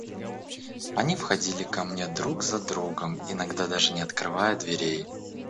Они входили ко мне друг за другом, иногда даже не открывая дверей.